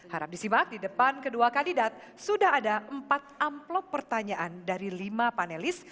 harap disimak di depan kedua kandidat sudah ada empat amplop pertanyaan dari lima panelis